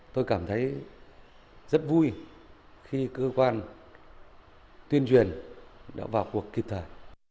tôi cảm thấy rất vui khi cơ quan tuyên truyền đã vào cuộc kịp thời